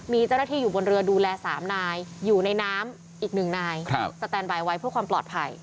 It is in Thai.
มีเจ้าหน้าที่อยู่บนเรือดูแล๓นายอยู่ในน้ำอีกหนึ่งนายสแตนบายไว้เพื่อความปลอดภัย